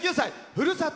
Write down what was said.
ふるさと